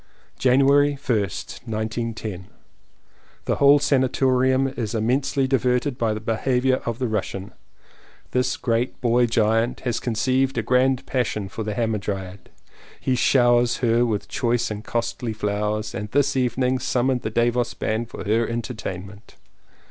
January 1st, 1910. The whole sanatorium is immensely di verted by the behaviour of the Russian. This great boy giant has conceived a grand passion for the Hamadryad. He showers her with choice and costly flowers and this evening summoned the Davos band for her entertainment.